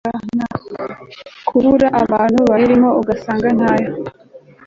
Kubara abantu bayirimo ugasanga ntayo